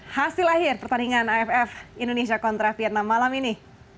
hasil akhir pertandingan aff indonesia kontra vietnam malam ini